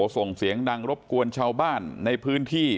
ส่งเสียงดังรบกวนชาวบ้านในพื้นที่